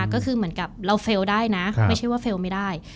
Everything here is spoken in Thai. ก็คือเหมือนกับเราเฟลล์ได้นะไม่ใช่ว่าเฟลล์ไม่ได้